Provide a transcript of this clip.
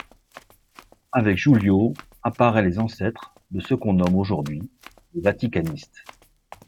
Avec Giulio apparait les ancêtres de ce qu'on nomme aujourd’hui les vaticanistes.